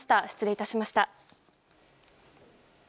失礼致しました。